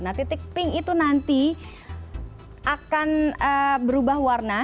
nah titik pink itu nanti akan berubah warna